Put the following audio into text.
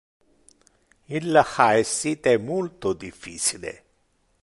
Il ha essite multo difficile.